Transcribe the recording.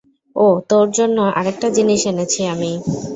ওহ, তোর জন্য আরেকটা জিনিস এনেছি আমি।